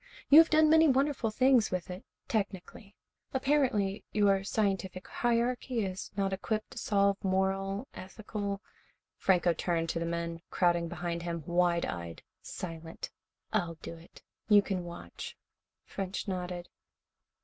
You have done many wonderful things with it technically. Apparently, your scientific hierarchy is not equipped to solve moral, ethical " Franco turned to the men, crowding behind him, wide eyed, silent. "I'll do it. You can watch." French nodded.